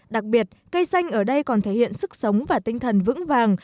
đặc biệt cây xanh ở đây còn thể hiện sức sống và tinh thần vững vàng